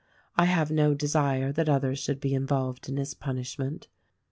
I have no desire that others should be involved in his punishment.